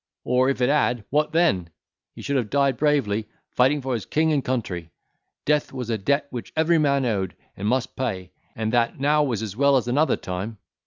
or if it had, what then? he should have died bravely, fighting for his king and country. Death was a debt which every man owed, and must pay; and that now was as well as another time."